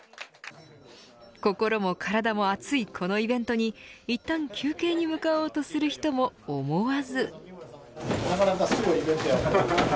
心も体も熱いこのイベントにいったん休憩に向かおうとする人も思わず。